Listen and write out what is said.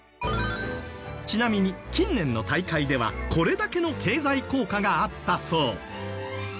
ちなみに近年の大会ではこれだけの経済効果があったそう。